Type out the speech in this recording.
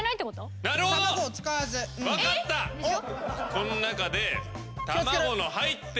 この中で。